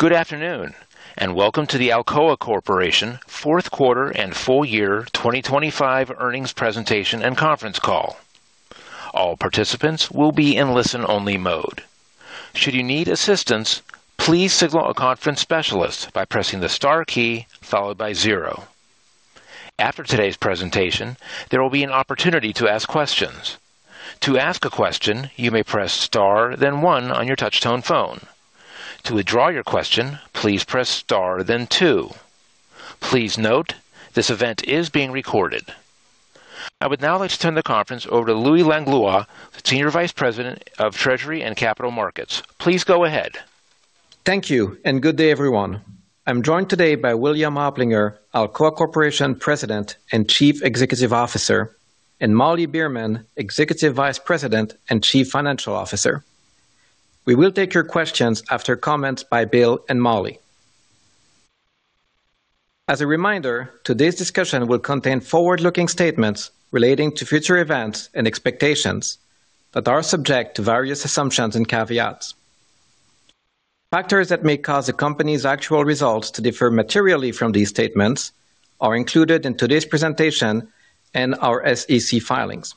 Good afternoon, and welcome to the Alcoa Corporation fourth quarter and full year 2025 earnings presentation and conference call. All participants will be in listen-only mode. Should you need assistance, please signal a conference specialist by pressing the star key followed by zero. After today's presentation, there will be an opportunity to ask questions. To ask a question, you may press star, then one on your touch-tone phone. To withdraw your question, please press star, then two. Please note, this event is being recorded. I would now like to turn the conference over to Louis Langlois, Senior Vice President of Treasury and Capital Markets. Please go ahead. Thank you, and good day, everyone. I'm joined today by William Oplinger, Alcoa Corporation President and Chief Executive Officer, and Molly Beerman, Executive Vice President and Chief Financial Officer. We will take your questions after comments by Bill and Molly. As a reminder, today's discussion will contain forward-looking statements relating to future events and expectations that are subject to various assumptions and caveats. Factors that may cause a company's actual results to differ materially from these statements are included in today's presentation and our SEC filings.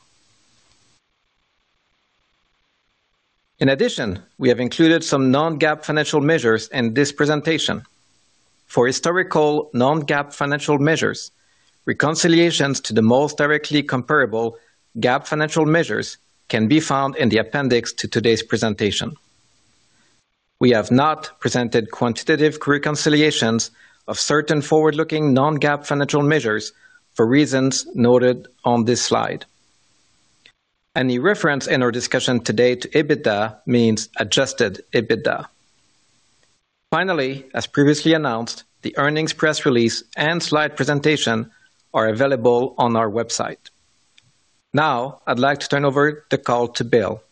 In addition, we have included some non-GAAP financial measures in this presentation. For historical non-GAAP financial measures, reconciliations to the most directly comparable GAAP financial measures can be found in the appendix to today's presentation. We have not presented quantitative reconciliations of certain forward-looking non-GAAP financial measures for reasons noted on this slide. Any reference in our discussion today to EBITDA means adjusted EBITDA. Finally, as previously announced, the earnings press release and slide presentation are available on our website. Now, I'd like to turn over the call to Bill.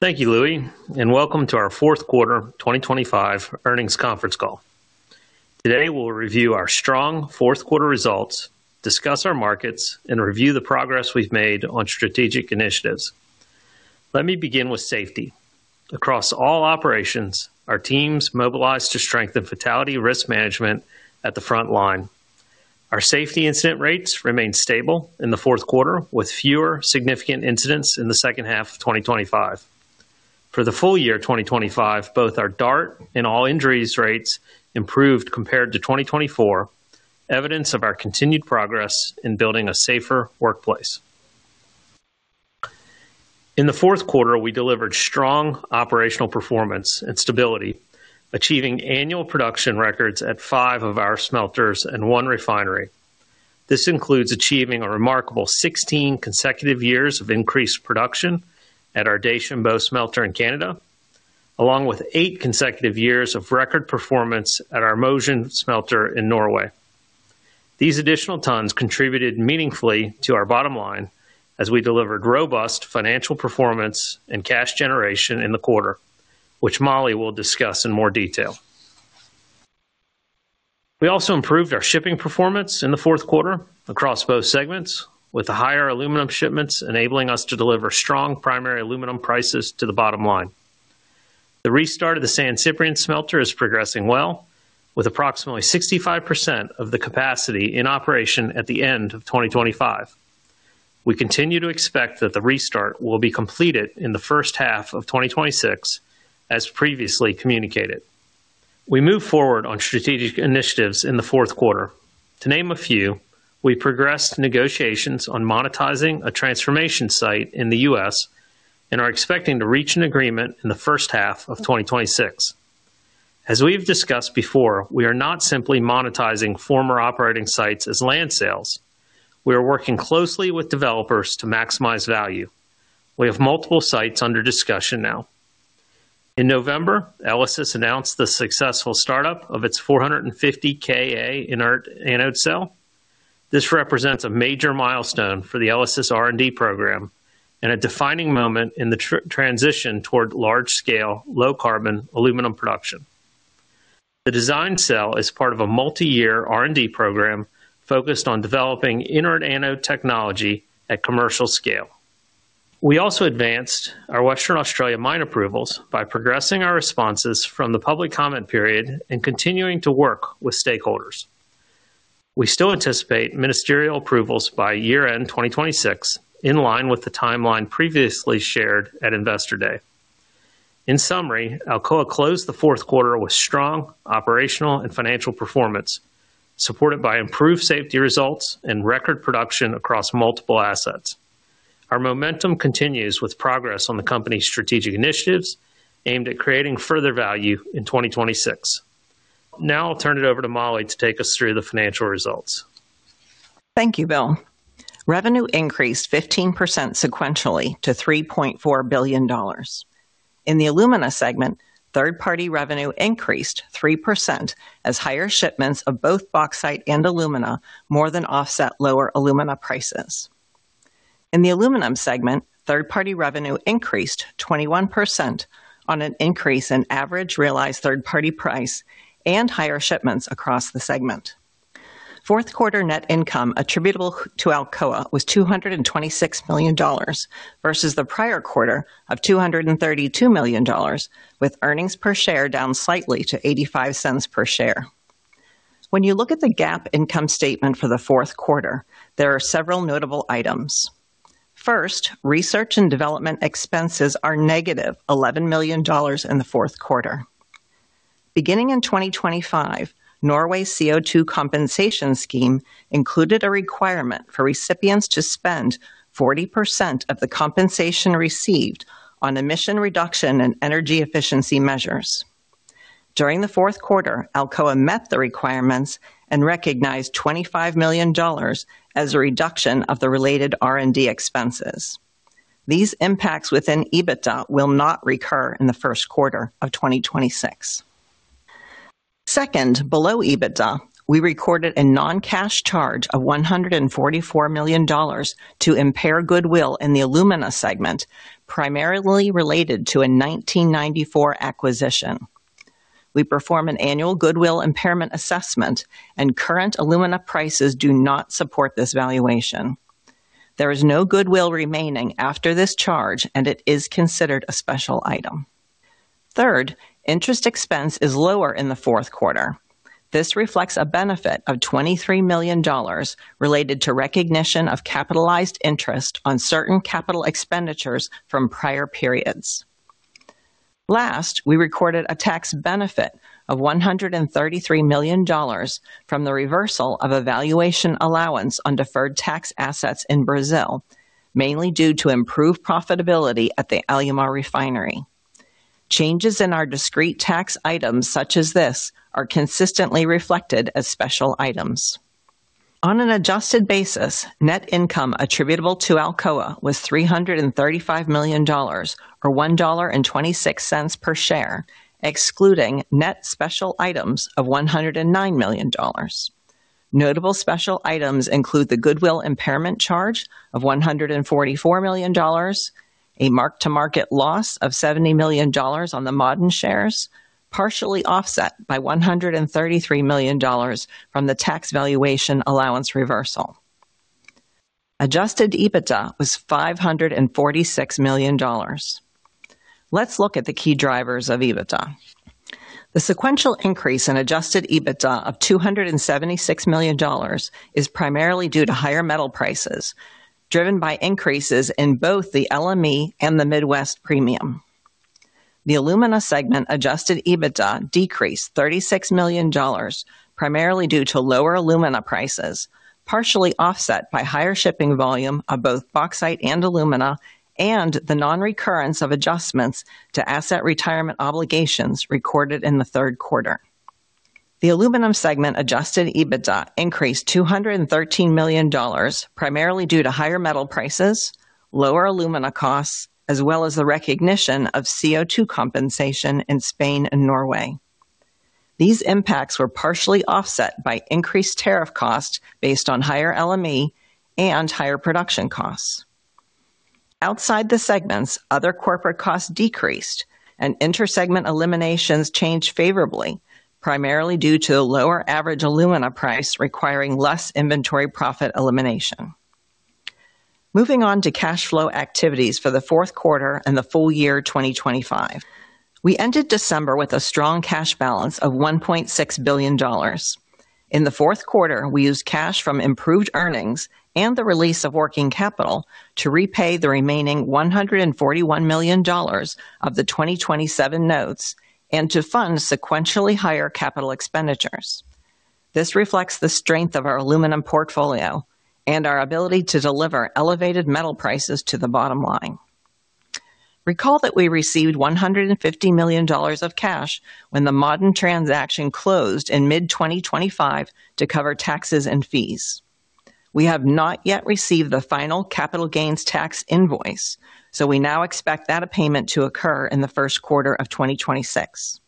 Thank you, Louis, and welcome to our fourth quarter 2025 earnings conference call. Today, we'll review our strong fourth-quarter results, discuss our markets, and review the progress we've made on strategic initiatives. Let me begin with safety. Across all operations, our teams mobilized to strengthen fatality risk management at the front line. Our safety incident rates remained stable in the fourth quarter, with fewer significant incidents in the second half of 2025. For the full year 2025, both our DART and all injuries rates improved compared to 2024, evidence of our continued progress in building a safer workplace. In the fourth quarter, we delivered strong operational performance and stability, achieving annual production records at five of our smelters and one refinery. This includes achieving a remarkable 16 consecutive years of increased production at our Deschambault smelter in Canada, along with eight consecutive years of record performance at our Mosjøen smelter in Norway. These additional tons contributed meaningfully to our bottom line as we delivered robust financial performance and cash generation in the quarter, which Molly will discuss in more detail. We also improved our shipping performance in the fourth quarter across both segments, with the higher aluminum shipments enabling us to deliver strong primary aluminum prices to the bottom line. The restart of the San Ciprián smelter is progressing well, with approximately 65% of the capacity in operation at the end of 2025. We continue to expect that the restart will be completed in the first half of 2026, as previously communicated. We move forward on strategic initiatives in the fourth quarter. To name a few, we progressed negotiations on monetizing a remediation site in the U.S. and are expecting to reach an agreement in the first half of 2026. As we've discussed before, we are not simply monetizing former operating sites as land sales. We are working closely with developers to maximize value. We have multiple sites under discussion now. In November, ELYSIS announced the successful startup of its 450 kA inert anode cell. This represents a major milestone for the ELYSIS R&D program and a defining moment in the transition toward large-scale, low-carbon aluminum production. The demo cell is part of a multi-year R&D program focused on developing inert anode technology at commercial scale. We also advanced our Western Australia mine approvals by progressing our responses from the public comment period and continuing to work with stakeholders. We still anticipate ministerial approvals by year-end 2026, in line with the timeline previously shared at Investor Day. In summary, Alcoa closed the fourth quarter with strong operational and financial performance, supported by improved safety results and record production across multiple assets. Our momentum continues with progress on the company's strategic initiatives aimed at creating further value in 2026. Now, I'll turn it over to Molly to take us through the financial results. Thank you, Bill. Revenue increased 15% sequentially to $3.4 billion. In the alumina segment, third-party revenue increased 3% as higher shipments of both bauxite and alumina more than offset lower alumina prices. In the aluminum segment, third-party revenue increased 21% on an increase in average realized third-party price and higher shipments across the segment. Fourth quarter net income attributable to Alcoa was $226 million versus the prior quarter of $232 million, with earnings per share down slightly to $0.85 per share. When you look at the GAAP income statement for the fourth quarter, there are several notable items. First, research and development expenses are negative $11 million in the fourth quarter. Beginning in 2025, Norway's CO2 compensation scheme included a requirement for recipients to spend 40% of the compensation received on emission reduction and energy efficiency measures. During the fourth quarter, Alcoa met the requirements and recognized $25 million as a reduction of the related R&D expenses. These impacts within EBITDA will not recur in the first quarter of 2026. Second, below EBITDA, we recorded a non-cash charge of $144 million to impair goodwill in the alumina segment, primarily related to a 1994 acquisition. We perform an annual goodwill impairment assessment, and current alumina prices do not support this valuation. There is no goodwill remaining after this charge, and it is considered a special item. Third, interest expense is lower in the fourth quarter. This reflects a benefit of $23 million related to recognition of capitalized interest on certain capital expenditures from prior periods. Last, we recorded a tax benefit of $133 million from the reversal of a valuation allowance on deferred tax assets in Brazil, mainly due to improved profitability at the Alumar refinery. Changes in our discrete tax items such as this are consistently reflected as special items. On an adjusted basis, net income attributable to Alcoa was $335 million, or $1.26 per share, excluding net special items of $109 million. Notable special items include the goodwill impairment charge of $144 million, a mark-to-market loss of $70 million on the Ma'aden shares, partially offset by $133 million from the tax valuation allowance reversal. Adjusted EBITDA was $546 million. Let's look at the key drivers of EBITDA. The sequential increase in adjusted EBITDA of $276 million is primarily due to higher metal prices, driven by increases in both the LME and the Midwest Premium. The alumina segment adjusted EBITDA decreased $36 million, primarily due to lower alumina prices, partially offset by higher shipping volume of both bauxite and alumina, and the non-recurrence of adjustments to asset retirement obligations recorded in the third quarter. The aluminum segment adjusted EBITDA increased $213 million, primarily due to higher metal prices, lower alumina costs, as well as the recognition of CO2 compensation in Spain and Norway. These impacts were partially offset by increased tariff costs based on higher LME and higher production costs. Outside the segments, other corporate costs decreased, and inter-segment eliminations changed favorably, primarily due to lower average alumina price requiring less inventory profit elimination. Moving on to cash flow activities for the fourth quarter and the full year 2025. We ended December with a strong cash balance of $1.6 billion. In the fourth quarter, we used cash from improved earnings and the release of working capital to repay the remaining $141 million of the 2027 notes and to fund sequentially higher capital expenditures. This reflects the strength of our aluminum portfolio and our ability to deliver elevated metal prices to the bottom line. Recall that we received $150 million of cash when the Ma'aden transaction closed in mid-2025 to cover taxes and fees. We have not yet received the final capital gains tax invoice, so we now expect that payment to occur in the first quarter of 2026.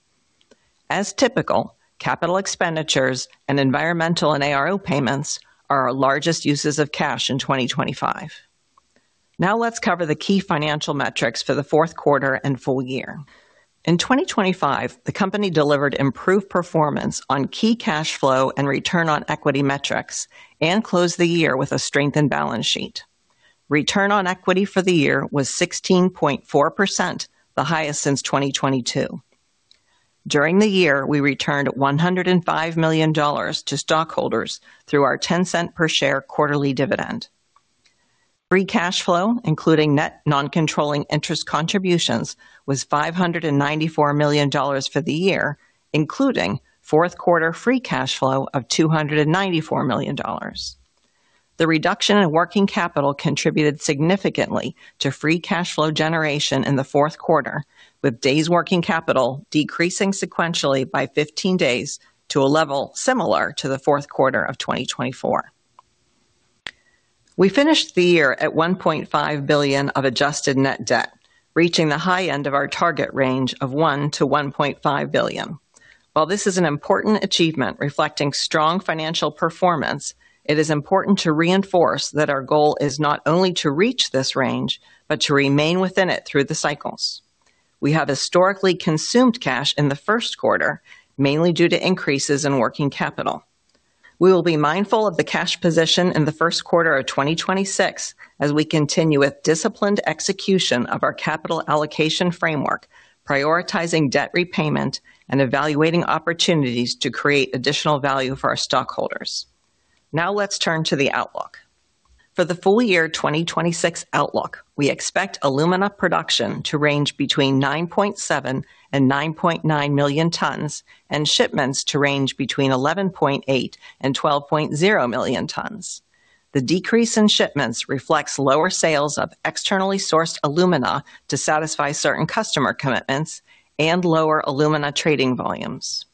As typical, capital expenditures and environmental and ARO payments are our largest uses of cash in 2025. Now, let's cover the key financial metrics for the fourth quarter and full year. In 2025, the company delivered improved performance on key cash flow and return on equity metrics and closed the year with a strengthened balance sheet. Return on equity for the year was 16.4%, the highest since 2022. During the year, we returned $105 million to stockholders through our $0.10 per share quarterly dividend. Free cash flow, including net non-controlling interest contributions, was $594 million for the year, including fourth quarter free cash flow of $294 million. The reduction in working capital contributed significantly to free cash flow generation in the fourth quarter, with days working capital decreasing sequentially by 15 days to a level similar to the fourth quarter of 2024. We finished the year at $1.5 billion of adjusted net debt, reaching the high end of our target range of $1 billion-$1.5 billion. While this is an important achievement reflecting strong financial performance, it is important to reinforce that our goal is not only to reach this range, but to remain within it through the cycles. We have historically consumed cash in the first quarter, mainly due to increases in working capital. We will be mindful of the cash position in the first quarter of 2026 as we continue with disciplined execution of our capital allocation framework, prioritizing debt repayment and evaluating opportunities to create additional value for our stockholders. Now, let's turn to the outlook. For the full year 2026 outlook, we expect alumina production to range between 9.7 and 9.9 million tons and shipments to range between 11.8 and 12.0 million tons. The decrease in shipments reflects lower sales of externally sourced alumina to satisfy certain customer commitments and lower alumina trading volumes.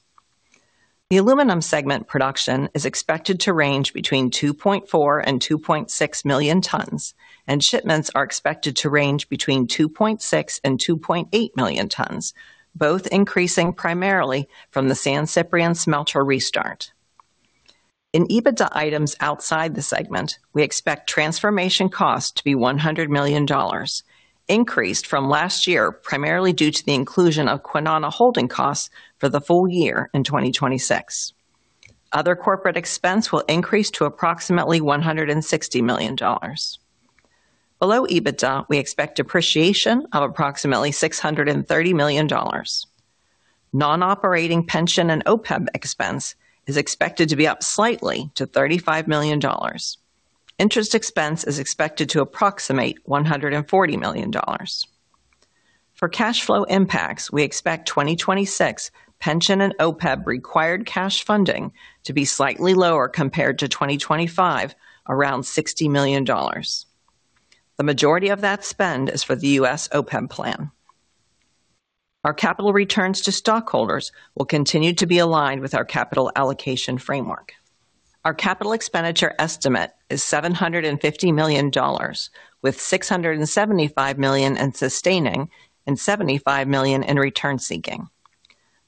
The aluminum segment production is expected to range between 2.4 and 2.6 million tons, and shipments are expected to range between 2.6 and 2.8 million tons, both increasing primarily from the San Ciprián smelter restart. In EBITDA items outside the segment, we expect transformation costs to be $100 million, increased from last year primarily due to the inclusion of Kwinana holding costs for the full year in 2026. Other corporate expense will increase to approximately $160 million. Below EBITDA, we expect depreciation of approximately $630 million. Non-operating pension and OPEB expense is expected to be up slightly to $35 million. Interest expense is expected to approximate $140 million. For cash flow impacts, we expect 2026 pension and OPEB required cash funding to be slightly lower compared to 2025, around $60 million. The majority of that spend is for the U.S. OPEB plan. Our capital returns to stockholders will continue to be aligned with our capital allocation framework. Our capital expenditure estimate is $750 million, with $675 million in sustaining and $75 million in return-seeking.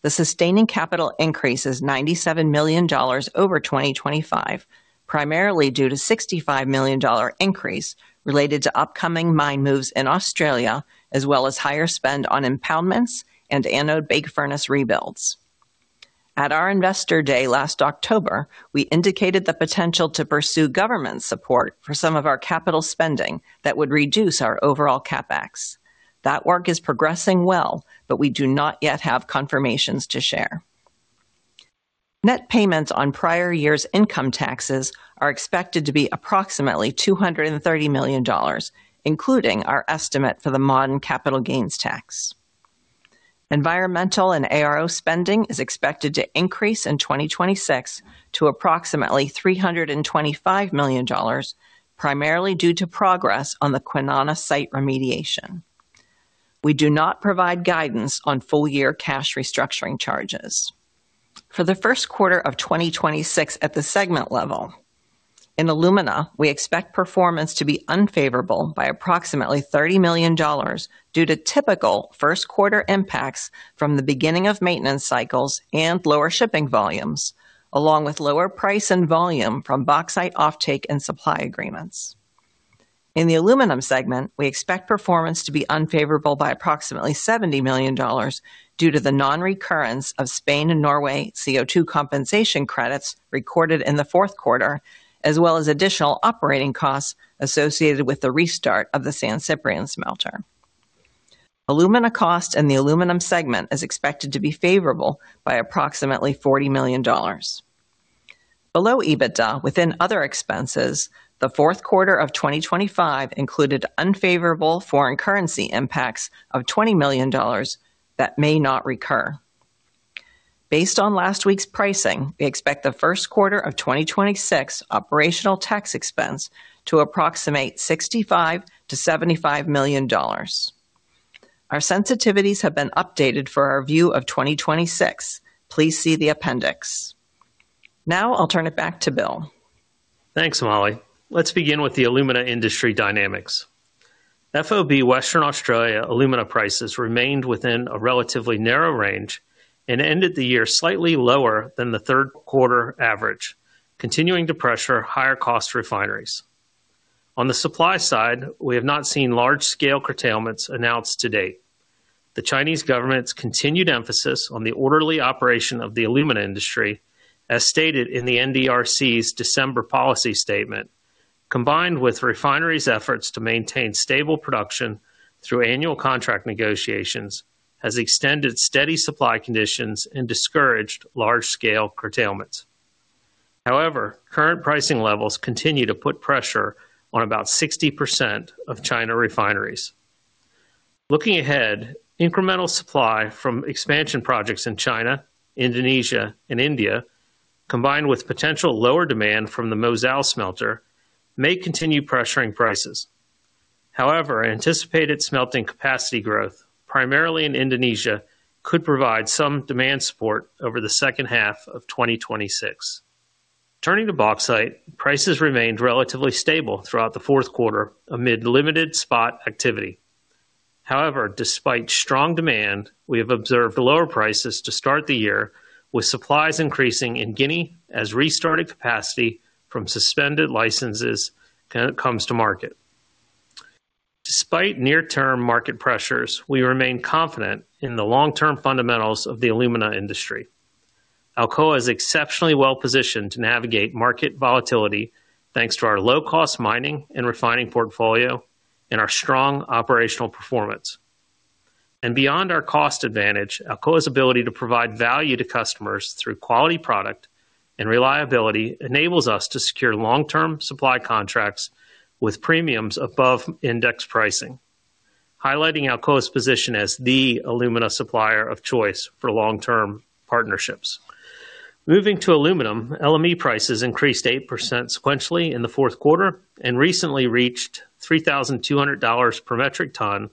The sustaining capital increase is $97 million over 2025, primarily due to a $65 million increase related to upcoming mine moves in Australia, as well as higher spend on impoundments and anode bake furnace rebuilds. At our Investor Day last October, we indicated the potential to pursue government support for some of our capital spending that would reduce our overall CapEx. That work is progressing well, but we do not yet have confirmations to share. Net payments on prior year's income taxes are expected to be approximately $230 million, including our estimate for the Ma'aden capital gains tax. Environmental and ARO spending is expected to increase in 2026 to approximately $325 million, primarily due to progress on the Kwinana site remediation. We do not provide guidance on full year cash restructuring charges. For the first quarter of 2026 at the segment level, in alumina, we expect performance to be unfavorable by approximately $30 million due to typical first quarter impacts from the beginning of maintenance cycles and lower shipping volumes, along with lower price and volume from bauxite offtake and supply agreements. In the aluminum segment, we expect performance to be unfavorable by approximately $70 million due to the non-recurrence of Spain and Norway CO2 compensation credits recorded in the fourth quarter, as well as additional operating costs associated with the restart of the San Ciprián smelter. Alumina cost in the aluminum segment is expected to be favorable by approximately $40 million. Below EBITDA, within other expenses, the fourth quarter of 2025 included unfavorable foreign currency impacts of $20 million that may not recur. Based on last week's pricing, we expect the first quarter of 2026 operational tax expense to approximate $65 million-$75 million. Our sensitivities have been updated for our view of 2026. Please see the appendix. Now, I'll turn it back to Bill. Thanks, Molly. Let's begin with the alumina industry dynamics. FOB Western Australia alumina prices remained within a relatively narrow range and ended the year slightly lower than the third quarter average, continuing to pressure higher cost refineries. On the supply side, we have not seen large-scale curtailments announced to date. The Chinese government's continued emphasis on the orderly operation of the alumina industry, as stated in the NDRC's December policy statement, combined with refineries' efforts to maintain stable production through annual contract negotiations, has extended steady supply conditions and discouraged large-scale curtailments. However, current pricing levels continue to put pressure on about 60% of China refineries. Looking ahead, incremental supply from expansion projects in China, Indonesia, and India, combined with potential lower demand from the Mozal smelter, may continue pressuring prices. However, anticipated smelting capacity growth, primarily in Indonesia, could provide some demand support over the second half of 2026. Turning to bauxite, prices remained relatively stable throughout the fourth quarter amid limited spot activity. However, despite strong demand, we have observed lower prices to start the year, with supplies increasing in Guinea as restarted capacity from suspended licenses comes to market. Despite near-term market pressures, we remain confident in the long-term fundamentals of the alumina industry. Alcoa is exceptionally well-positioned to navigate market volatility thanks to our low-cost mining and refining portfolio and our strong operational performance. Beyond our cost advantage, Alcoa's ability to provide value to customers through quality product and reliability enables us to secure long-term supply contracts with premiums above index pricing, highlighting Alcoa's position as the alumina supplier of choice for long-term partnerships. Moving to aluminum, LME prices increased 8% sequentially in the fourth quarter and recently reached $3,200 per metric ton,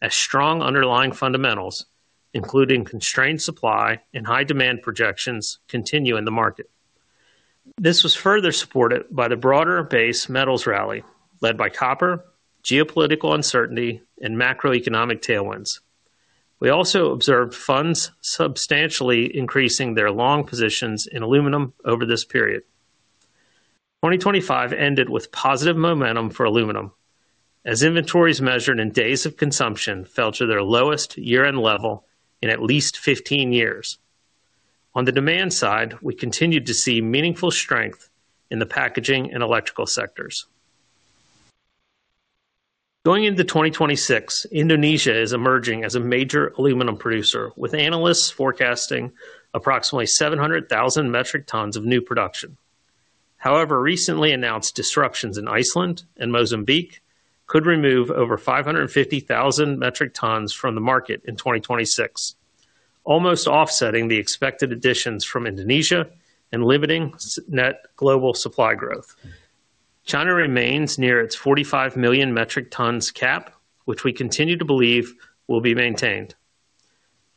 as strong underlying fundamentals, including constrained supply and high demand projections continue in the market. This was further supported by the broader base metals rally led by copper, geopolitical uncertainty, and macroeconomic tailwinds. We also observed funds substantially increasing their long positions in aluminum over this period. 2025 ended with positive momentum for aluminum, as inventories measured in days of consumption fell to their lowest year-end level in at least 15 years. On the demand side, we continued to see meaningful strength in the packaging and electrical sectors. Going into 2026, Indonesia is emerging as a major aluminum producer, with analysts forecasting approximately 700,000 metric tons of new production. However, recently announced disruptions in Iceland and Mozambique could remove over 550,000 metric tons from the market in 2026, almost offsetting the expected additions from Indonesia and limiting net global supply growth. China remains near its 45 million metric tons cap, which we continue to believe will be maintained.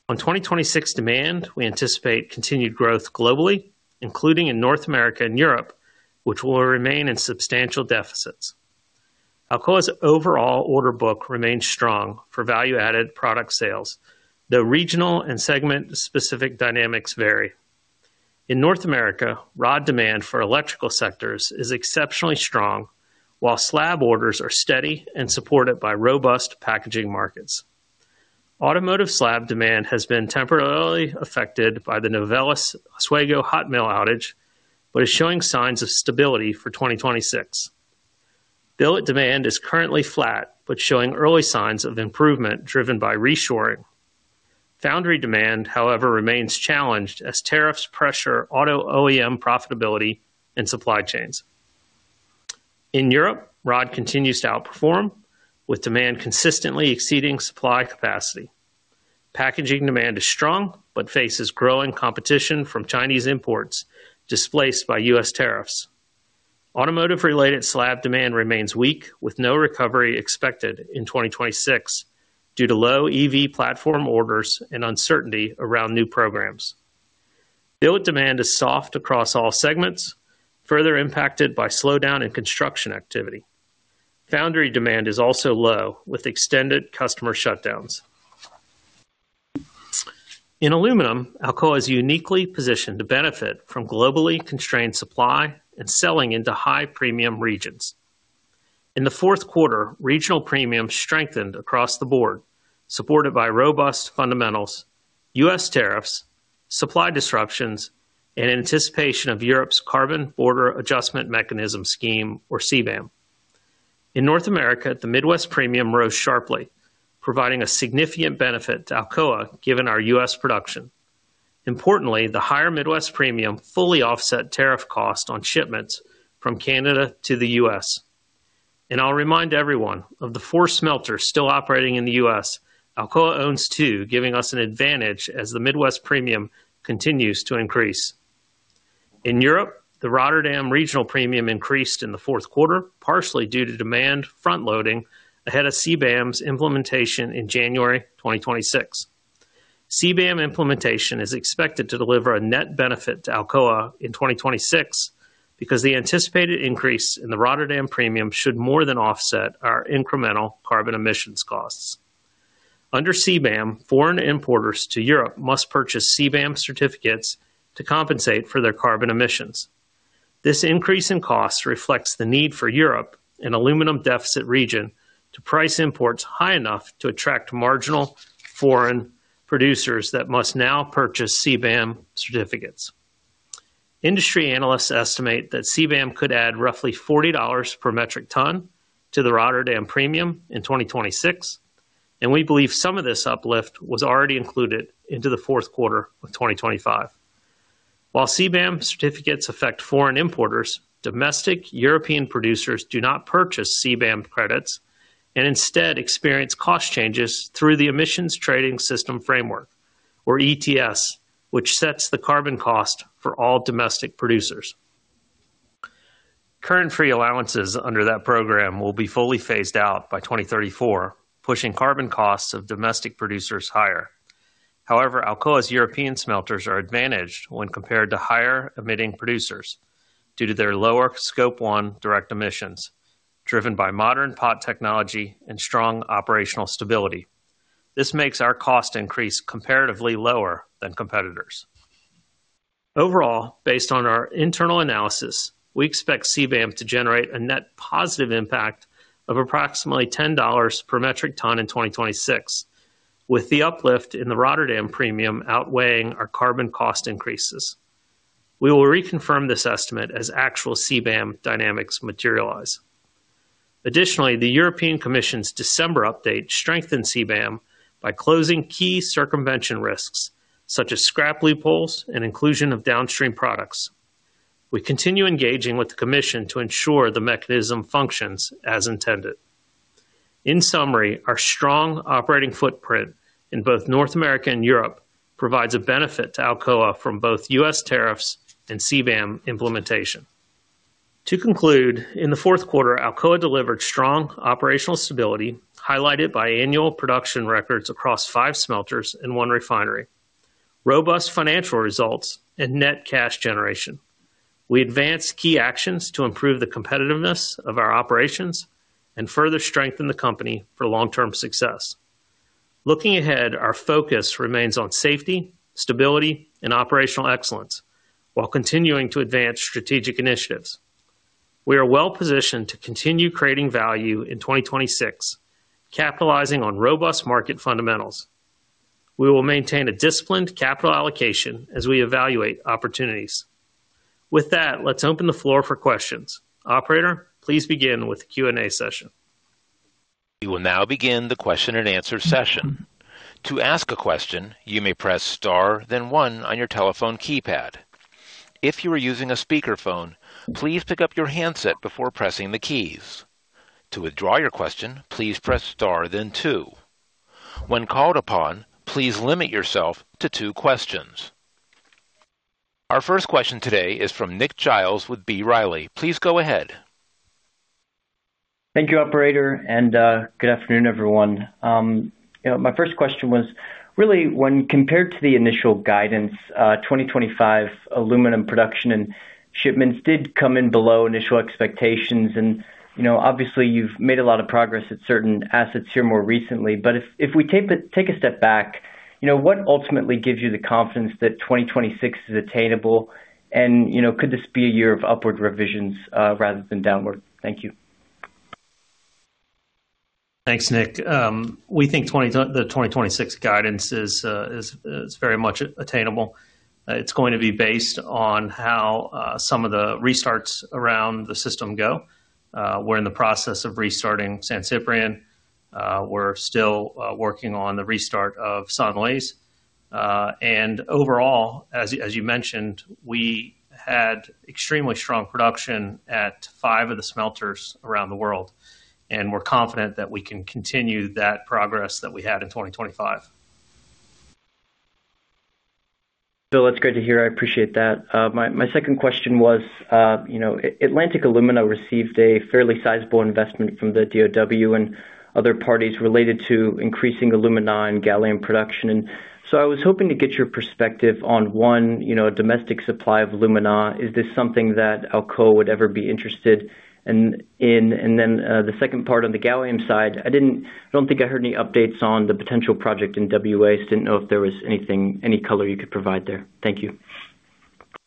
On 2026 demand, we anticipate continued growth globally, including in North America and Europe, which will remain in substantial deficits. Alcoa's overall order book remains strong for value-added product sales, though regional and segment-specific dynamics vary. In North America, rod demand for electrical sectors is exceptionally strong, while slab orders are steady and supported by robust packaging markets. Automotive slab demand has been temporarily affected by the Novelis Oswego hot mill outage, but is showing signs of stability for 2026. Billet demand is currently flat, but showing early signs of improvement driven by reshoring. Foundry demand, however, remains challenged as tariffs pressure auto OEM profitability and supply chains. In Europe, rod continues to outperform, with demand consistently exceeding supply capacity. Packaging demand is strong but faces growing competition from Chinese imports displaced by U.S. tariffs. Automotive-related slab demand remains weak, with no recovery expected in 2026 due to low EV platform orders and uncertainty around new programs. Billet demand is soft across all segments, further impacted by slowdown in construction activity. Foundry demand is also low, with extended customer shutdowns. In aluminum, Alcoa is uniquely positioned to benefit from globally constrained supply and selling into high premium regions. In the fourth quarter, regional premiums strengthened across the board, supported by robust fundamentals, U.S. tariffs, supply disruptions, and anticipation of Europe's carbon border adjustment mechanism scheme, or CBAM. In North America, the Midwest Premium rose sharply, providing a significant benefit to Alcoa given our U.S. production. Importantly, the higher Midwest Premium fully offset tariff costs on shipments from Canada to the U.S., and I'll remind everyone of the four smelters still operating in the U.S. Alcoa owns two, giving us an advantage as the Midwest Premium continues to increase. In Europe, the Rotterdam regional premium increased in the fourth quarter, partially due to demand front-loading ahead of CBAM's implementation in January 2026. CBAM implementation is expected to deliver a net benefit to Alcoa in 2026 because the anticipated increase in the Rotterdam Premium should more than offset our incremental carbon emissions costs. Under CBAM, foreign importers to Europe must purchase CBAM certificates to compensate for their carbon emissions. This increase in costs reflects the need for Europe, an aluminum deficit region, to price imports high enough to attract marginal foreign producers that must now purchase CBAM certificates. Industry analysts estimate that CBAM could add roughly $40 per metric ton to the Rotterdam Premium in 2026, and we believe some of this uplift was already included into the fourth quarter of 2025. While CBAM certificates affect foreign importers, domestic European producers do not purchase CBAM credits and instead experience cost changes through the emissions trading system framework, or ETS, which sets the carbon cost for all domestic producers. Current free allowances under that program will be fully phased out by 2034, pushing carbon costs of domestic producers higher. However, Alcoa's European smelters are advantaged when compared to higher emitting producers due to their lower Scope 1 direct emissions, driven by modern pot technology and strong operational stability. This makes our cost increase comparatively lower than competitors. Overall, based on our internal analysis, we expect CBAM to generate a net positive impact of approximately $10 per metric ton in 2026, with the uplift in the Rotterdam Premium outweighing our carbon cost increases. We will reconfirm this estimate as actual CBAM dynamics materialize. Additionally, the European Commission's December update strengthened CBAM by closing key circumvention risks such as scrap loopholes and inclusion of downstream products. We continue engaging with the Commission to ensure the mechanism functions as intended. In summary, our strong operating footprint in both North America and Europe provides a benefit to Alcoa from both U.S. tariffs and CBAM implementation. To conclude, in the fourth quarter, Alcoa delivered strong operational stability highlighted by annual production records across five smelters and one refinery, robust financial results, and net cash generation. We advance key actions to improve the competitiveness of our operations and further strengthen the company for long-term success. Looking ahead, our focus remains on safety, stability, and operational excellence while continuing to advance strategic initiatives. We are well-positioned to continue creating value in 2026, capitalizing on robust market fundamentals. We will maintain a disciplined capital allocation as we evaluate opportunities. With that, let's open the floor for questions. Operator, please begin with the Q&A session. We will now begin the question and answer session. To ask a question, you may press star, then one on your telephone keypad. If you are using a speakerphone, please pick up your handset before pressing the keys. To withdraw your question, please press star, then two. When called upon, please limit yourself to two questions. Our first question today is from Nick Giles with B Riley. Please go ahead. Thank you, Operator, and good afternoon, everyone. My first question was really, when compared to the initial guidance, 2025 aluminum production and shipments did come in below initial expectations. And obviously, you've made a lot of progress at certain assets here more recently. But if we take a step back, what ultimately gives you the confidence that 2026 is attainable? And could this be a year of upward revisions rather than downward? Thank you. Thanks, Nick. We think the 2026 guidance is very much attainable. It's going to be based on how some of the restarts around the system go. We're in the process of restarting San Ciprián. We're still working on the restart of São Luís. And overall, as you mentioned, we had extremely strong production at five of the smelters around the world, and we're confident that we can continue that progress that we had in 2025. Bill, that's great to hear. I appreciate that. My second question was Atlantic Alumina received a fairly sizable investment from DOW and other parties related to increasing alumina and gallium production. And so I was hoping to get your perspective on, one, domestic supply of alumina. Is this something that Alcoa would ever be interested in? And then the second part on the gallium side, I don't think I heard any updates on the potential project in WA's. Didn't know if there was anything, any color you could provide there. Thank you.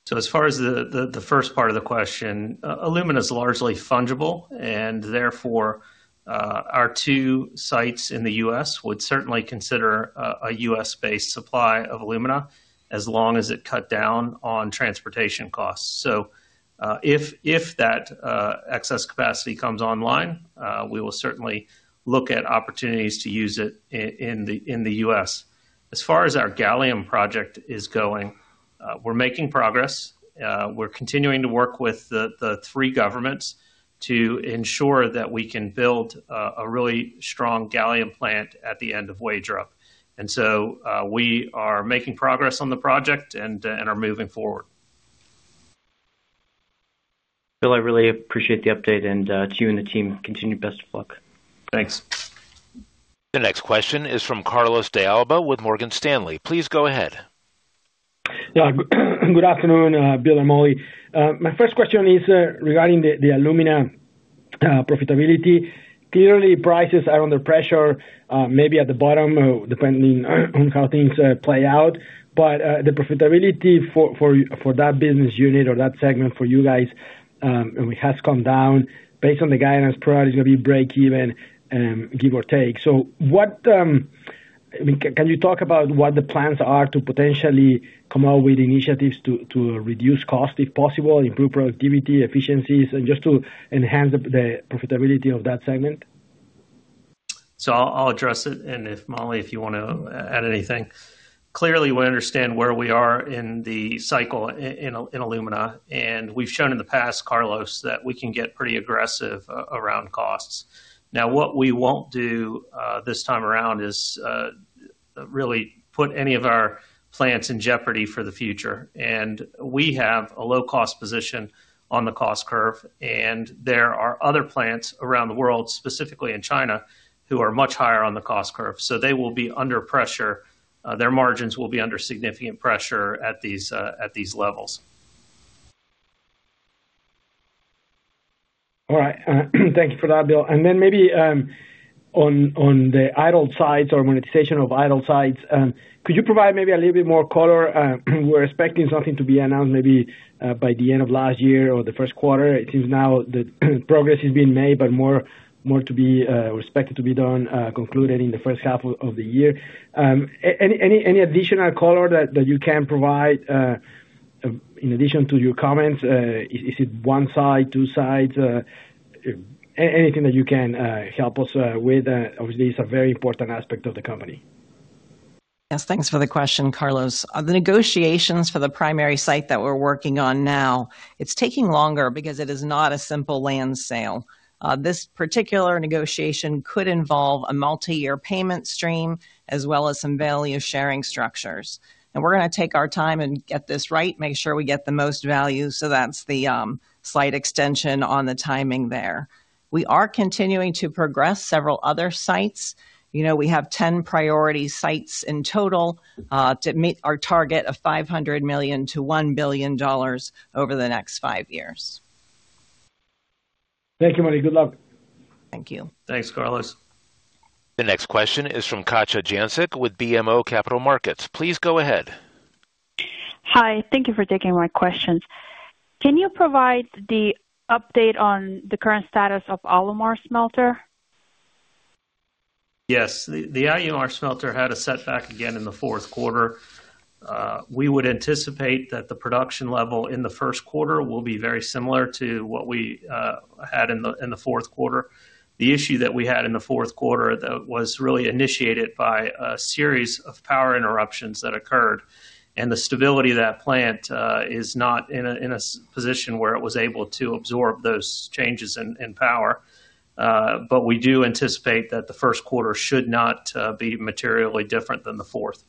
So as far as the first part of the question, alumina is largely fungible, and therefore our two sites in the U.S. would certainly consider a U.S.-based supply of alumina as long as it cut down on transportation costs. So if that excess capacity comes online, we will certainly look at opportunities to use it in the U.S. As far as our gallium project is going, we're making progress. We're continuing to work with the three governments to ensure that we can build a really strong gallium plant at the end of Wagerup. And so we are making progress on the project and are moving forward. Bill, I really appreciate the update, and to you and the team, continue best of luck. Thanks. The next question is from Carlos De Alba with Morgan Stanley. Please go ahead. Good afternoon, Bill and Molly. My first question is regarding the alumina profitability. Clearly, prices are under pressure, maybe at the bottom, depending on how things play out. But the profitability for that business unit or that segment for you guys has come down based on the guidance, probably is going to be breakeven, give or take. So can you talk about what the plans are to potentially come up with initiatives to reduce cost, if possible, improve productivity, efficiencies, and just to enhance the profitability of that segment? So I'll address it, and if Molly, if you want to add anything. Clearly, we understand where we are in the cycle in alumina, and we've shown in the past, Carlos, that we can get pretty aggressive around costs. Now, what we won't do this time around is really put any of our plants in jeopardy for the future. And we have a low-cost position on the cost curve, and there are other plants around the world, specifically in China, who are much higher on the cost curve. So they will be under pressure. Their margins will be under significant pressure at these levels. All right. Thank you for that, Bill. And then maybe on the idle sites or monetization of idle sites, could you provide maybe a little bit more color? We're expecting something to be announced maybe by the end of last year or the first quarter. It seems now the progress is being made, but more to be expected to be done, concluded in the first half of the year. Any additional color that you can provide in addition to your comments? Is it one site, two sites? Anything that you can help us with? Obviously, it's a very important aspect of the company. Yes, thanks for the question, Carlos. The negotiations for the primary site that we're working on now, it's taking longer because it is not a simple land sale. This particular negotiation could involve a multi-year payment stream as well as some value sharing structures. And we're going to take our time and get this right, make sure we get the most value. So that's the slight extension on the timing there. We are continuing to progress several other sites. We have 10 priority sites in total to meet our target of $500 million-$1 billion over the next five years. Thank you, Molly. Good luck. Thank you. Thanks, Carlos. The next question is from Katja Jancic with BMO Capital Markets. Please go ahead. Hi. Thank you for taking my questions. Can you provide the update on the current status of Alumar Smelter? Yes. The Alumar Smelter had a setback again in the fourth quarter. We would anticipate that the production level in the first quarter will be very similar to what we had in the fourth quarter. The issue that we had in the fourth quarter was really initiated by a series of power interruptions that occurred, and the stability of that plant is not in a position where it was able to absorb those changes in power. But we do anticipate that the first quarter should not be materially different than the fourth.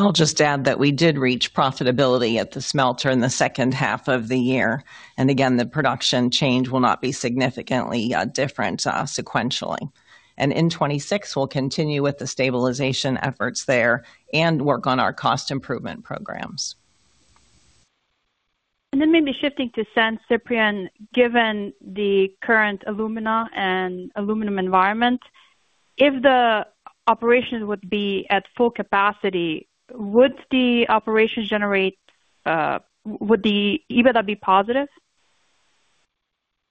I'll just add that we did reach profitability at the smelter in the second half of the year. And again, the production change will not be significantly different sequentially. And in 2026, we'll continue with the stabilization efforts there and work on our cost improvement programs. And then maybe shifting to San Ciprián, given the current alumina and aluminum environment, if the operation would be at full capacity, would the operation generate, would the EBITDA be positive?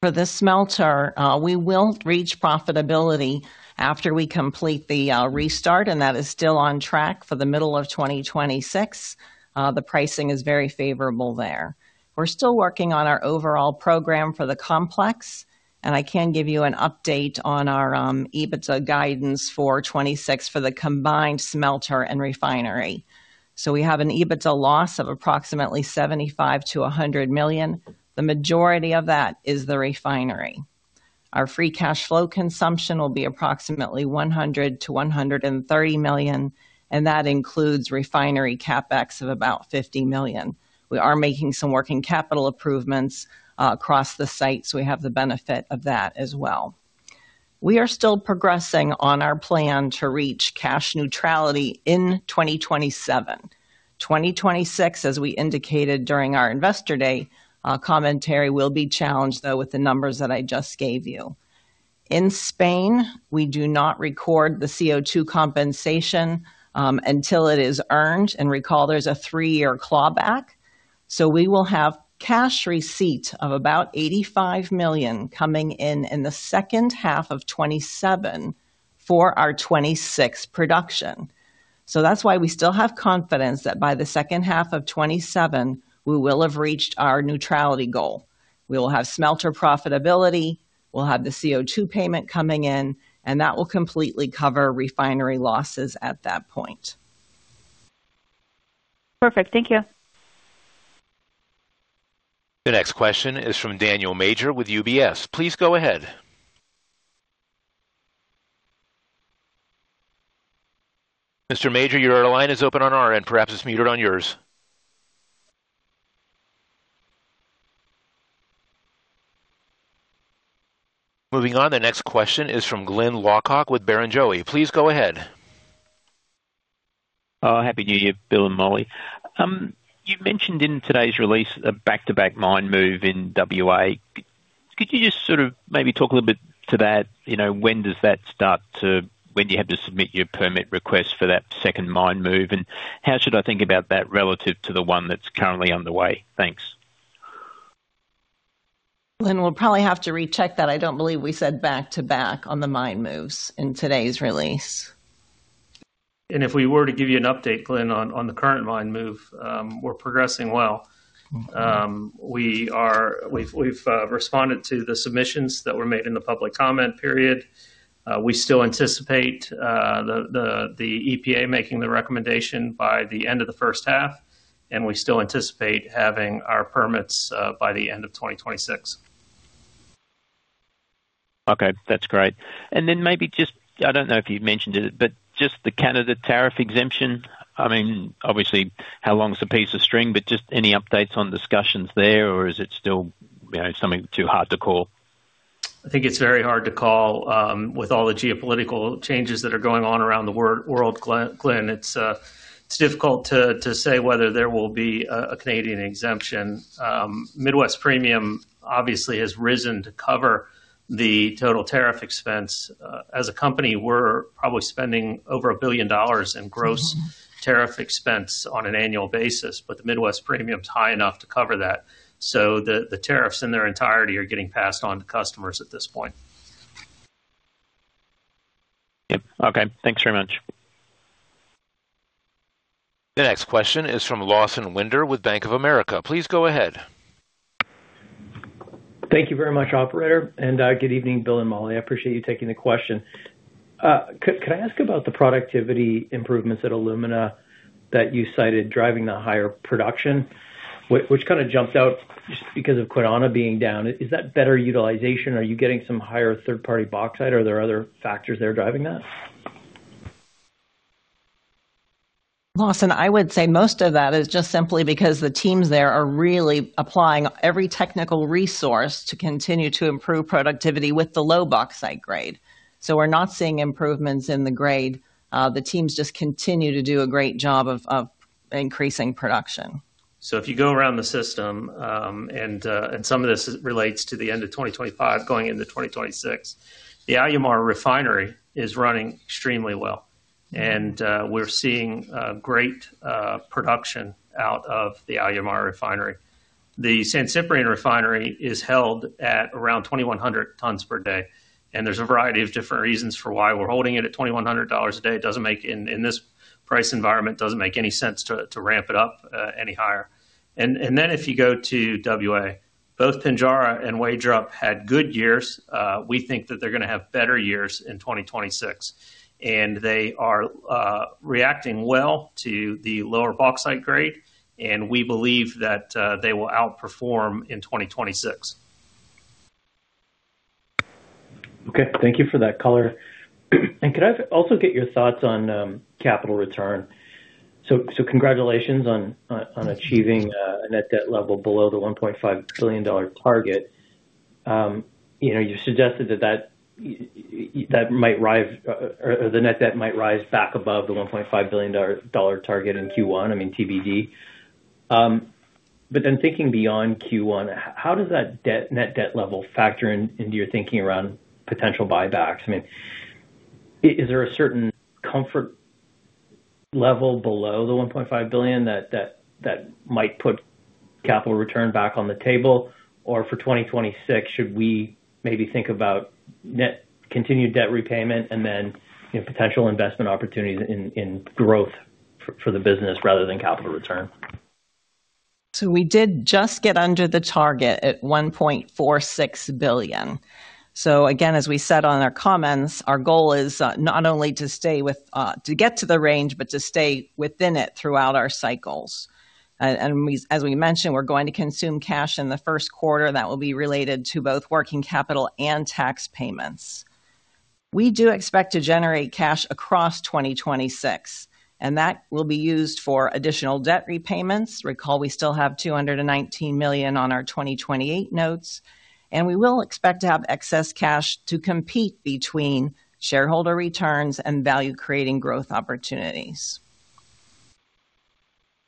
For the smelter, we will reach profitability after we complete the restart, and that is still on track for the middle of 2026. The pricing is very favorable there. We're still working on our overall program for the complex, and I can give you an update on our EBITDA guidance for 2026 for the combined smelter and refinery. So we have an EBITDA loss of approximately $75-$100 million. The majority of that is the refinery. Our free cash flow consumption will be approximately $100-$130 million, and that includes refinery CapEx of about $50 million. We are making some working capital improvements across the site, so we have the benefit of that as well. We are still progressing on our plan to reach cash neutrality in 2027. 2026, as we indicated during our investor day commentary, will be challenged, though, with the numbers that I just gave you. In Spain, we do not record the CO2 compensation until it is earned, and recall there's a three-year clawback. So we will have cash receipt of about $85 million coming in in the second half of 2027 for our 2026 production. So that's why we still have confidence that by the second half of 2027, we will have reached our neutrality goal. We will have smelter profitability, we'll have the CO2 payment coming in, and that will completely cover refinery losses at that point. Perfect. Thank you. The next question is from Daniel Major with UBS. Please go ahead. Mr. Major, your line is open on our end. Perhaps it's muted on yours. Moving on, the next question is from Glyn Lawcock with Barrenjoey. Please go ahead. Happy New Year, Bill and Molly. You mentioned in today's release a back-to-back mine move in WA. Could you just sort of maybe talk a little bit to that? When does that start to when you have to submit your permit request for that second mine move? And how should I think about that relative to the one that's currently underway? Thanks. Glyn will probably have to recheck that. I don't believe we said back-to-back on the mine moves in today's release. And if we were to give you an update, Glyn, on the current mine move, we're progressing well. We've responded to the submissions that were made in the public comment period. We still anticipate the EPA making the recommendation by the end of the first half, and we still anticipate having our permits by the end of 2026. Okay. That's great. And then maybe just, I don't know if you mentioned it, but just the Canada tariff exemption. I mean, obviously, how long is the piece of string? But just any updates on discussions there, or is it still something too hard to call? I think it's very hard to call. With all the geopolitical changes that are going on around the world, Glyn, it's difficult to say whether there will be a Canadian exemption. Midwest Premium obviously has risen to cover the total tariff expense. As a company, we're probably spending over $1 billion in gross tariff expense on an annual basis, but the Midwest Premium is high enough to cover that. So the tariffs in their entirety are getting passed on to customers at this point. Yep. Okay. Thanks very much. The next question is from Lawson Winder with Bank of America. Please go ahead. Thank you very much, operator, and good evening, Bill and Molly. I appreciate you taking the question. Could I ask about the productivity improvements at Alumina that you cited driving the higher production? Which kind of jumped out just because of Kwinana being down. Is that better utilization? Are you getting some higher third-party bauxite? Are there other factors there driving that? Lawson, I would say most of that is just simply because the teams there are really applying every technical resource to continue to improve productivity with the low bauxite grade. So we're not seeing improvements in the grade. The teams just continue to do a great job of increasing production. So if you go around the system, and some of this relates to the end of 2025 going into 2026, the Alumar refinery is running extremely well. We're seeing great production out of the Alumar refinery. The San Ciprián refinery is held at around 2,100 tons per day. There's a variety of different reasons for why we're holding it at 2,100 tons a day. In this price environment, it doesn't make any sense to ramp it up any higher. Then if you go to WA, both Pinjarra and Wagerup had good years. We think that they're going to have better years in 2026. They are reacting well to the lower bauxite grade, and we believe that they will outperform in 2026. Okay. Thank you for that color. Could I also get your thoughts on capital return? So congratulations on achieving a net debt level below the $1.5 billion target. You suggested that that might rise, or the net debt might rise back above the $1.5 billion target in Q1, I mean, TBD. But then thinking beyond Q1, how does that net debt level factor into your thinking around potential buybacks? I mean, is there a certain comfort level below the $1.5 billion that might put capital return back on the table? Or for 2026, should we maybe think about continued debt repayment and then potential investment opportunities in growth for the business rather than capital return? So we did just get under the target at $1.46 billion. So again, as we said on our comments, our goal is not only to get to the range, but to stay within it throughout our cycles, and as we mentioned, we're going to consume cash in the first quarter. That will be related to both working capital and tax payments. We do expect to generate cash across 2026, and that will be used for additional debt repayments. Recall, we still have $219 million on our 2028 notes, and we will expect to have excess cash to compete between shareholder returns and value-creating growth opportunities.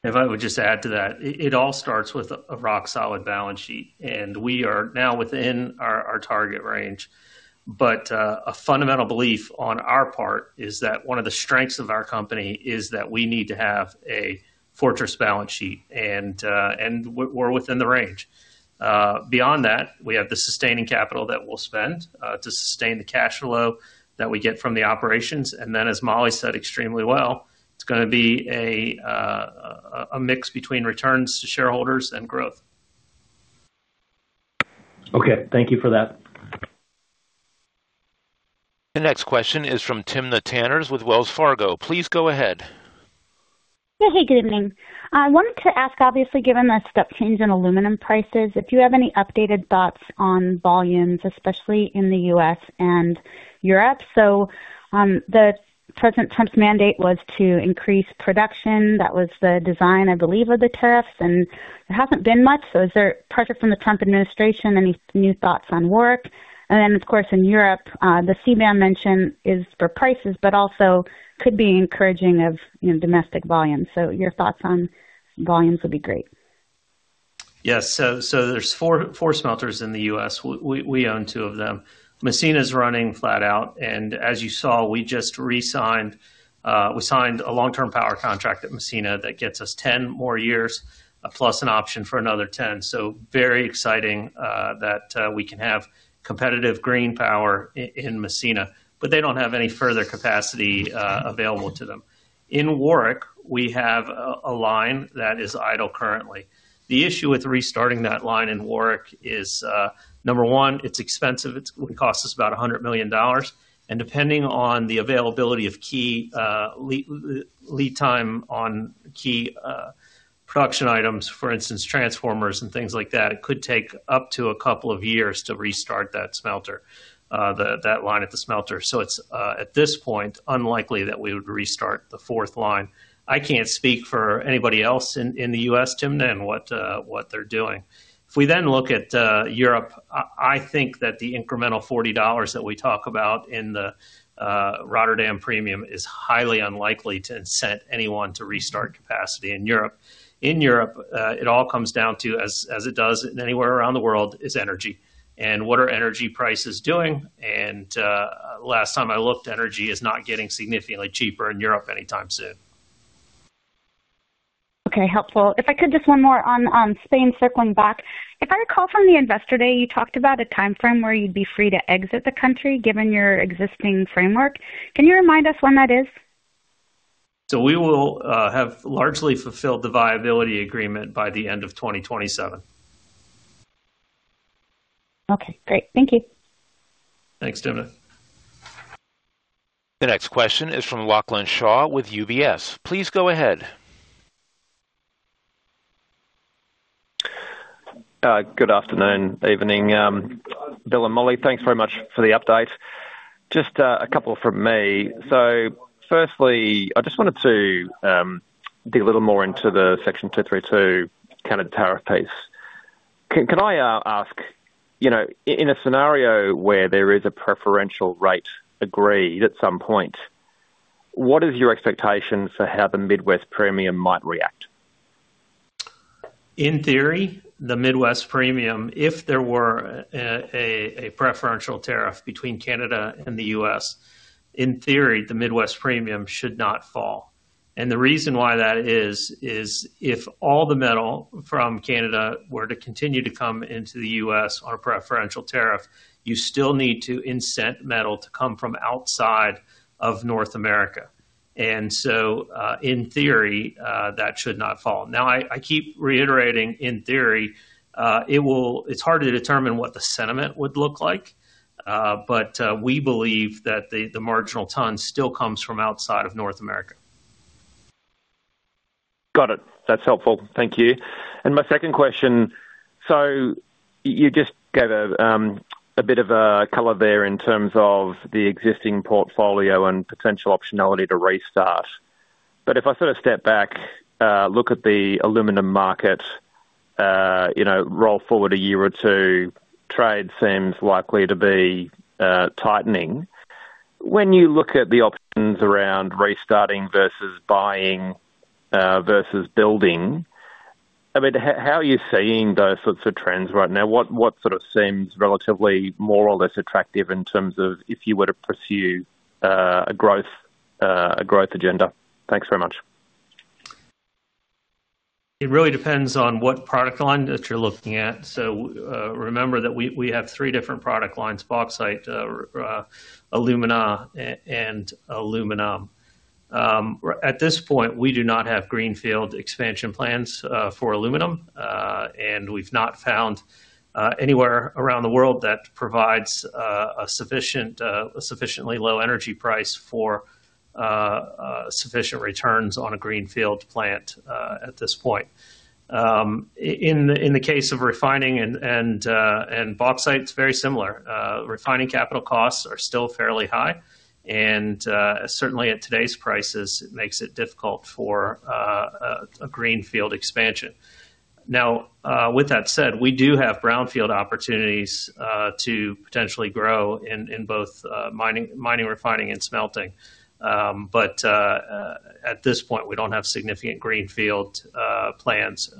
If I would just add to that, it all starts with a rock-solid balance sheet, and we are now within our target range. But a fundamental belief on our part is that one of the strengths of our company is that we need to have a fortress balance sheet, and we're within the range. Beyond that, we have the sustaining capital that we'll spend to sustain the cash flow that we get from the operations. And then, as Molly said extremely well, it's going to be a mix between returns to shareholders and growth. Okay. Thank you for that. The next question is from Timna Tanners with Wells Fargo. Please go ahead. Yeah. Hey, good evening. I wanted to ask, obviously, given the step change in aluminum prices, if you have any updated thoughts on volumes, especially in the U.S. and Europe. So the President Trump's mandate was to increase production. That was the design, I believe, of the tariffs, and there hasn't been much. So is there pressure from the Trump administration? Any new thoughts on work? And then, of course, in Europe, the CBAM mention is for prices, but also could be encouraging of domestic volumes. So your thoughts on volumes would be great. Yes. So there's four smelters in the U.S. We own two of them. Massena is running flat out. And as you saw, we just re-signed. We signed a long-term power contract at Massena that gets us 10 more years, plus an option for another 10. So very exciting that we can have competitive green power in Massena, but they don't have any further capacity available to them. In Warrick, we have a line that is idle currently. The issue with restarting that line in Warrick is, number one, it's expensive. It costs us about $100 million. And depending on the availability of key lead time on key production items, for instance, transformers and things like that, it could take up to a couple of years to restart that smelter, that line at the smelter. So it's, at this point, unlikely that we would restart the fourth line. I can't speak for anybody else in the U.S., Timna, and what they're doing. If we then look at Europe, I think that the incremental $40 that we talk about in the Rotterdam Premium is highly unlikely to incent anyone to restart capacity in Europe. In Europe, it all comes down to, as it does anywhere around the world, is energy. And what are energy prices doing? And last time I looked, energy is not getting significantly cheaper in Europe anytime soon. Okay. Helpful. If I could, just one more on Spain, circling back. If I recall from the investor day, you talked about a timeframe where you'd be free to exit the country given your existing framework. Can you remind us when that is? So we will have largely fulfilled the viability agreement by the end of 2027. Okay. Great. Thank you. Thanks, Timna. The next question is from Lachlan Shaw with UBS. Please go ahead. Good afternoon, evening. Bill and Molly, thanks very much for the update. Just a couple from me. So firstly, I just wanted to dig a little more into the Section 232 Canada tariff case. Can I ask, in a scenario where there is a preferential rate agreed at some point, what is your expectation for how the Midwest Premium might react? In theory, the Midwest Premium, if there were a preferential tariff between Canada and the U.S., in theory, the Midwest Premium should not fall. And the reason why that is, is if all the metal from Canada were to continue to come into the U.S. on a preferential tariff, you still need to incent metal to come from outside of North America. And so in theory, that should not fall. Now, I keep reiterating, in theory, it's hard to determine what the sentiment would look like, but we believe that the marginal ton still comes from outside of North America. Got it. That's helpful. Thank you. And my second question, so you just gave a bit of a color there in terms of the existing portfolio and potential optionality to restart. But if I sort of step back, look at the aluminum market, roll forward a year or two, trade seems likely to be tightening. When you look at the options around restarting versus buying versus building, I mean, how are you seeing those sorts of trends right now? What sort of seems relatively more or less attractive in terms of if you were to pursue a growth agenda? Thanks very much. It really depends on what product line that you're looking at. So remember that we have three different product lines: bauxite, alumina, and aluminum. At this point, we do not have greenfield expansion plans for aluminum, and we've not found anywhere around the world that provides a sufficiently low energy price for sufficient returns on a greenfield plant at this point. In the case of refining and bauxite, it's very similar. Refining capital costs are still fairly high, and certainly at today's prices, it makes it difficult for a greenfield expansion. Now, with that said, we do have brownfield opportunities to potentially grow in both mining, refining, and smelting. But at this point, we don't have significant greenfield plans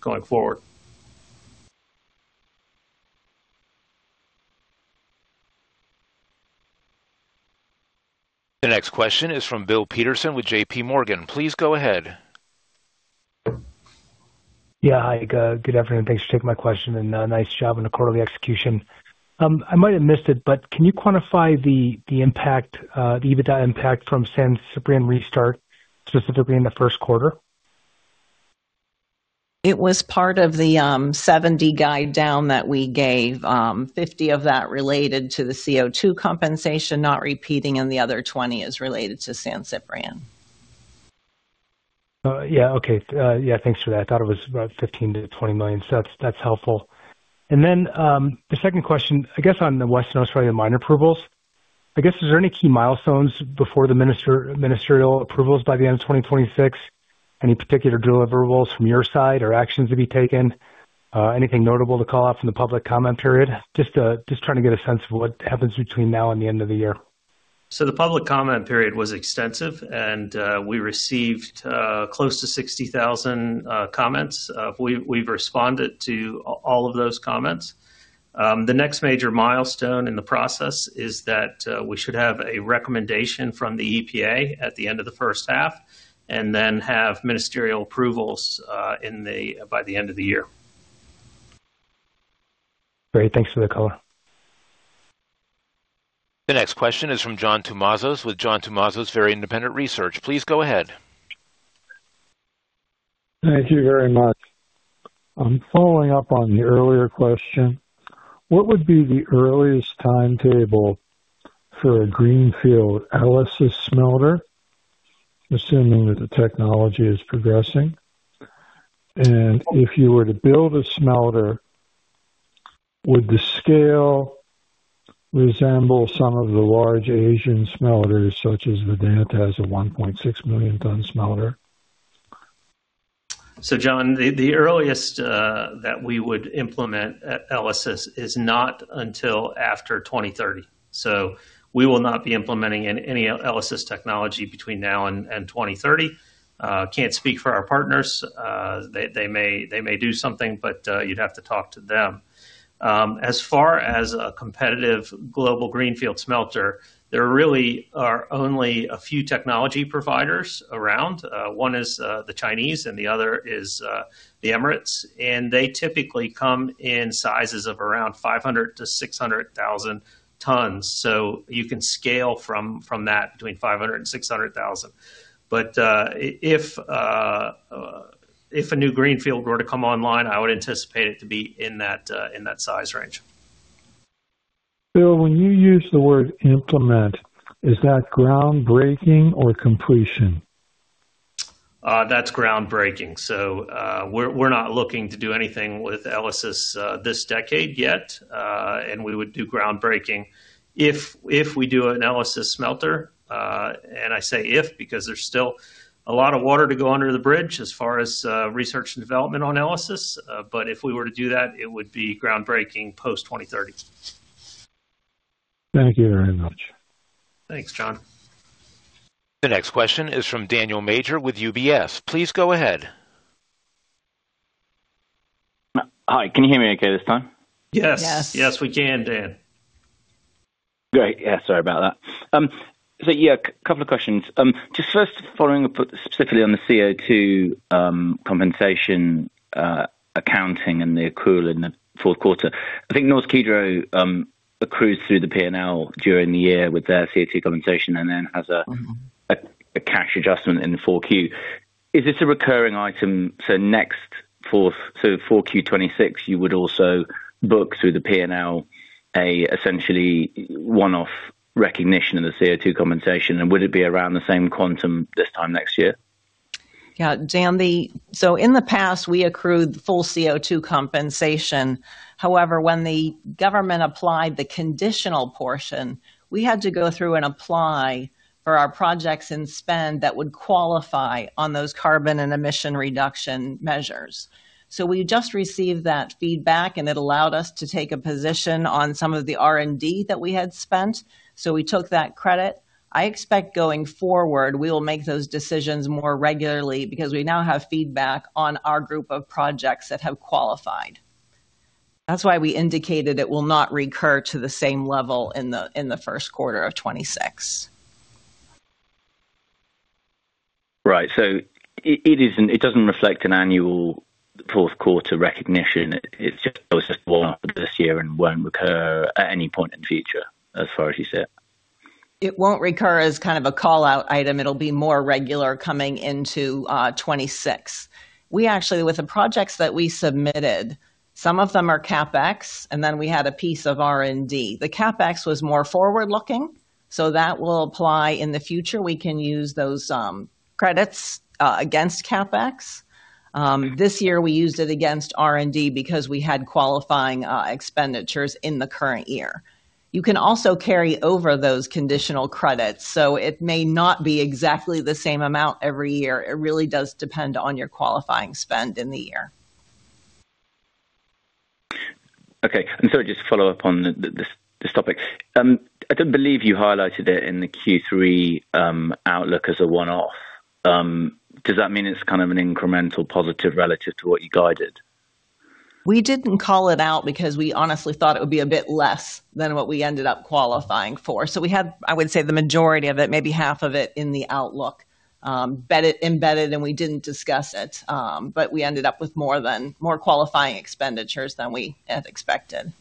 going forward. The next question is from Bill Peterson with JPMorgan. Please go ahead. Yeah. Hi, good afternoon. Thanks for taking my question and nice job on the quarterly execution. I might have missed it, but can you quantify the impact, the EBITDA impact from San Ciprián restart, specifically in the first quarter? It was part of the $70 million guide down that we gave. $50 million of that related to the CO2 compensation, not repeating, and the other $20 million is related to San Ciprián. Yeah. Okay. Yeah. Thanks for that. I thought it was about $15 million-$20 million. So that's helpful. And then the second question, I guess on the Western Australia mine approvals, I guess, is there any key milestones before the ministerial approvals by the end of 2026? Any particular deliverables from your side or actions to be taken? Anything notable to call out from the public comment period? Just trying to get a sense of what happens between now and the end of the year. So the public comment period was extensive, and we received close to 60,000 comments. We've responded to all of those comments. The next major milestone in the process is that we should have a recommendation from the EPA at the end of the first half and then have ministerial approvals by the end of the year. Great. Thanks for the color. The next question is from John Tumazos with John Tumazos Very Independent Research. Please go ahead. Thank you very much. I'm following up on the earlier question. What would be the earliest timetable for a greenfield ELYSIS smelter, assuming that the technology is progressing? And if you were to build a smelter, would the scale resemble some of the large Asian smelters, such as Vedanta, a 1.6 million ton smelter? So John, the earliest that we would implement ELYSIS is not until after 2030. We will not be implementing any ELYSIS technology between now and 2030. Can't speak for our partners. They may do something, but you'd have to talk to them. As far as a competitive global greenfield smelter, there really are only a few technology providers around. One is the Chinese, and the other is the Emirates. And they typically come in sizes of around 500,000-600,000 tons. So you can scale from that between 500,000 and 600,000. But if a new greenfield were to come online, I would anticipate it to be in that size range. Bill, when you use the word implement, is that groundbreaking or completion? That's groundbreaking. We're not looking to do anything with ELYSIS this decade yet, and we would do groundbreaking if we do an ELYSIS smelter. And I say if because there's still a lot of water to go under the bridge as far as research and development on ELYSIS. But if we were to do that, it would be groundbreaking post 2030. Thank you very much. Thanks, John. The next question is from Daniel Major with UBS. Please go ahead. Hi. Can you hear me okay this time? Yes. Yes. Yes, we can, Dan. Great. Yeah. Sorry about that. So yeah, a couple of questions. Just first, following specifically on the CO2 compensation accounting and the accrual in the fourth quarter, I think Norsk Hydro accrues through the P&L during the year with their CO2 compensation and then has a cash adjustment in the 4Q. Is this a recurring item? So next 4Q 2026, you would also book through the P&L an essentially one-off recognition of the CO2 compensation. And would it be around the same quantum this time next year? Yeah. So in the past, we accrued full CO2 compensation. However, when the government applied the conditional portion, we had to go through and apply for our projects and spend that would qualify on those carbon and emission reduction measures. So we just received that feedback, and it allowed us to take a position on some of the R&D that we had spent. So we took that credit. I expect going forward, we will make those decisions more regularly because we now have feedback on our group of projects that have qualified. That's why we indicated it will not recur to the same level in the first quarter of 2026. Right. So it doesn't reflect an annual fourth quarter recognition. It was just one-off this year and won't recur at any point in the future, as far as you see it. It won't recur as kind of a call-out item. It'll be more regular coming into 2026. We actually, with the projects that we submitted, some of them are CapEx, and then we had a piece of R&D. The CapEx was more forward-looking, so that will apply in the future. We can use those credits against CapEx. This year, we used it against R&D because we had qualifying expenditures in the current year. You can also carry over those conditional credits. So it may not be exactly the same amount every year. It really does depend on your qualifying spend in the year. Okay. And sorry, just to follow up on this topic. I don't believe you highlighted it in the Q3 outlook as a one-off. Does that mean it's kind of an incremental positive relative to what you guided? We didn't call it out because we honestly thought it would be a bit less than what we ended up qualifying for. So we had, I would say, the majority of it, maybe half of it in the outlook embedded, and we didn't discuss it. But we ended up with more qualifying expenditures than we had expected.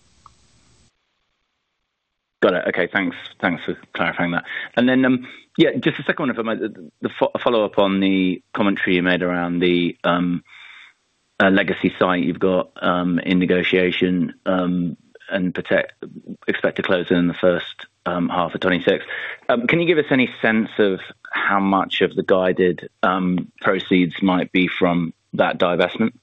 Got it. Okay. Thanks for clarifying that. And then, yeah, just a second one of them, a follow-up on the commentary you made around the legacy site you've got in negotiation and expect to close in the first half of 2026. Can you give us any sense of how much of the guided proceeds might be from that divestment?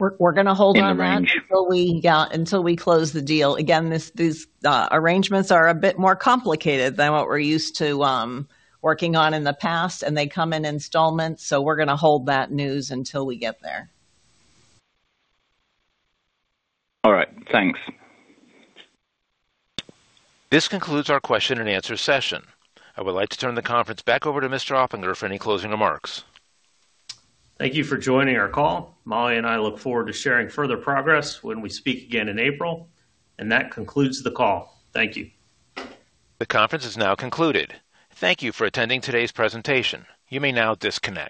We're going to hold on until we close the deal. Again, these arrangements are a bit more complicated than what we're used to working on in the past, and they come in installments. So we're going to hold that news until we get there. All right. Thanks. This concludes our question and answer session. I would like to turn the conference back over to Mr. Oplinger for any closing remarks. Thank you for joining our call. Molly and I look forward to sharing further progress when we speak again in April. And that concludes the call. Thank you. The conference is now concluded. Thank you for attending today's presentation. You may now disconnect.